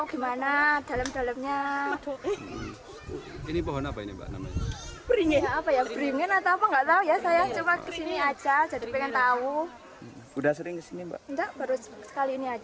udah sering kesini mbak